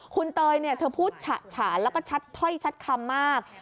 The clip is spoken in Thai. คุณเตยเนี่ยเธอพูดฉันแล้วก็ชัดท่อยชัดคำมาก